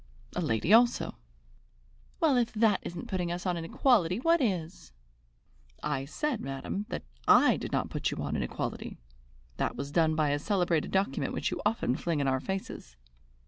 "A lady also." "Well, if that isn't putting us on an equality, what is?" "I said, madam, that I did not put you on an equality. That was done by a celebrated document which you often fling in our faces.